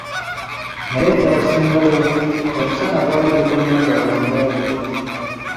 Naye ekyasingayo, omusana gwali gukomyewo mu bulamu bwe.